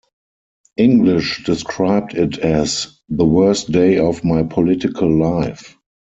English described it as "the worst day of my political life".